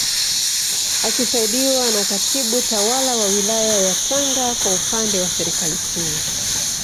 Akisaidiwa na Katibu Tawala wa Wilaya ya Tanga kwa upande wa Serikali Kuu